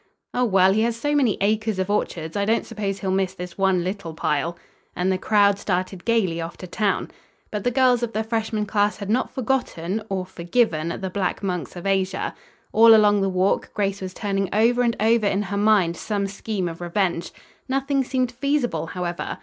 "Oh, well, he has so many acres of orchards, I don't suppose he'll miss this one little pile." And the crowd started gayly off to town. But the girls of the freshman class had not forgotten or forgiven the Black Monks of Asia. All along the walk Grace was turning over and over in her mind some scheme of revenge. Nothing seemed feasible, however.